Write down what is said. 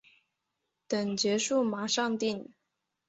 等结束马上订